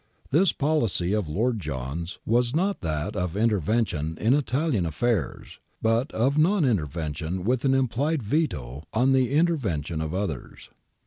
This policy of Lord John's was not that of intervention in Italian affairs, but of non intervention with an implied veto on the in tervention of others.